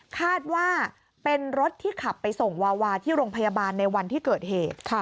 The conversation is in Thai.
คาดว่าเป็นรถที่ขับไปส่งวาวาที่โรงพยาบาลในวันที่เกิดเหตุ